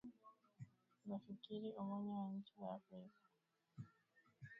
unafikiri umoja wa nchi za afrika